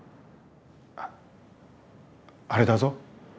ああれだぞ。